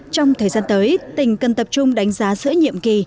trong thời gian tới tỉnh cần tập trung đánh giá sữa nhiệm kỳ